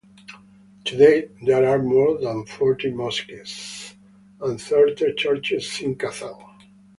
To date, there are more than forty mosques and thirty churches in Kazan.